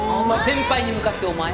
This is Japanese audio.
先輩に向かって「お前」？